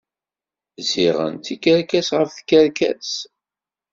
Ziɣen d tikerkas ɣef tkerkas.